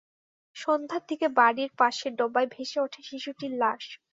সন্ধ্যার দিকে বাড়ির পাশের ডোবায় ভেসে ওঠে শিশুটির লাশ।